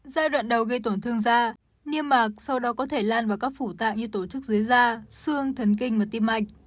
giai đoạn đầu gây tổn thương da niêm mạc sau đó có thể lan vào các phủ tạo như tổ chức dưới da xương thần kinh và tim mạch